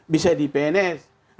bisa di pns